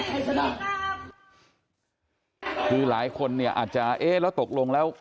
สมภาษาชัยชนะคือหลายคนเนี่ยอาจจะเอ๊ะแล้วตกลงแล้ว